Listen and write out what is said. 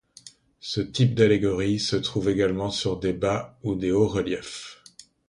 Ce type d'allégorie se trouve également sur des bas ou des hauts reliefs.